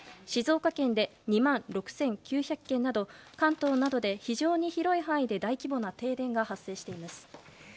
静岡県で２万６９００軒など関東などで、非常に広い規模で大規模な停電が発生しています。